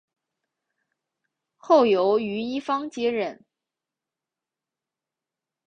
后由于一方接任。